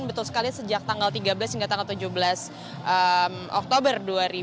betul sekali sejak tanggal tiga belas hingga tanggal tujuh belas oktober dua ribu dua puluh